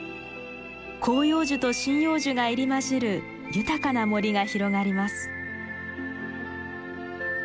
広葉樹と針葉樹が入り交じる豊かな森が広がります。